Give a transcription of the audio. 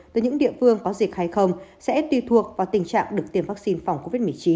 từ những địa phương có dịch hay không sẽ tùy thuộc vào tình trạng được tiêm vaccine phòng covid một mươi chín